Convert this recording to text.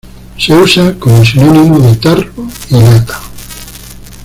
Se usa como sinónimo de tarro y lata.